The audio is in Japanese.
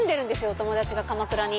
お友達が鎌倉に。